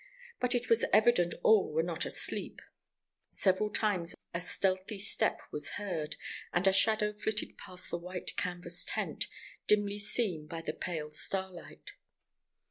But it was evident all were not asleep. Several times a stealthy step was heard, and a shadow flitted past the white canvas tent, dimly seen by the pale starlight.